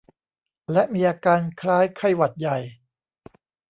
และมีอาการคล้ายไข้หวัดใหญ่